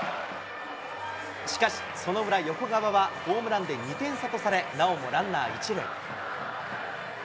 しかし、その裏、横川はホームランで２点差とされ、なおもランナー１塁。